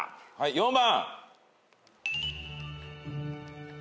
４番。